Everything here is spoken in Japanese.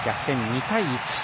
２対１。